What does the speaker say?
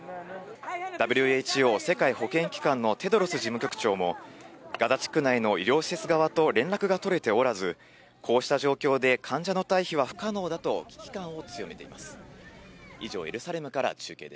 ＷＨＯ・世界保健機関のテドロス事務局長も、ガザ地区内の医療施設側と連絡が取れておらず、こうした状況で患者の退避は不可能だと危機感を強めています。